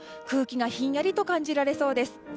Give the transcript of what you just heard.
空気がひんやりと感じられそうです。